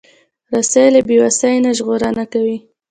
رسۍ له بیوسۍ نه ژغورنه کوي.